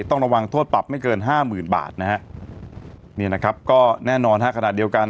ต้องระวังโทษปรับไม่เกินห้าหมื่นบาทนะฮะนี่นะครับก็แน่นอนฮะขณะเดียวกัน